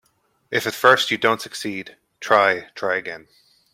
If at first you don't succeed, try, try again.